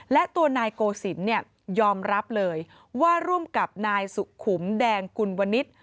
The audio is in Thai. และตัวนายโกศิลป์ยอมรับเลยว่าร่วมกับนายสุขุมแดงกุลวนิษฐ์